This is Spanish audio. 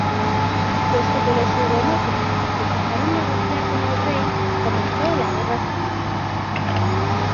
Puesto que los hugonotes rechazaron negociar con el rey, comenzó la Guerra Civil.